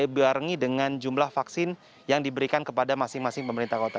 dibarengi dengan jumlah vaksin yang diberikan kepada masing masing pemerintah kota